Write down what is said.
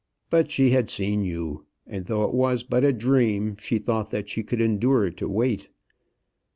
But she had seen you, and though it was but a dream, she thought that she could endure to wait.